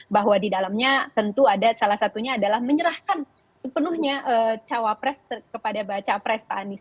bahwa di dalamnya tentu ada salah satunya adalah menyerahkan sepenuhnya cawa press kepada bacawa press pak anies